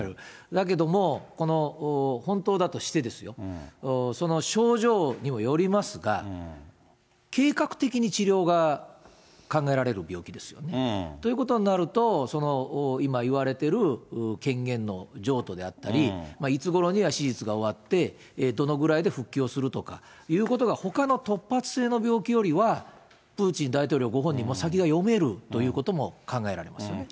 だけども、本当だとして、その症状にもよりますが、計画的に治療が考えられる病気ですよね。ということになると、今いわれてる権限の譲渡であったり、いつごろには手術が終わって、どのぐらいで復帰をするとかいうことがほかの突発性の病気よりは、プーチン大統領ご本人も先が読めるということも考えられますよね。